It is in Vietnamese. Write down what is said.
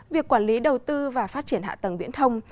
việc quản lý đầu tư và phát triển hạ tầng viễn thông